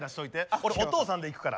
俺お父さんでいくから。